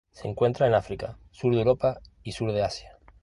Se encuentra en África, sur de Europa y sur de Asia.